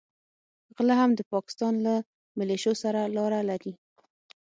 غله هم د پاکستان له مليشو سره لاره لري.